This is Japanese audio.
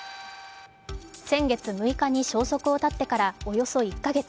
先月６日に消息を絶ってからおよそ１か月。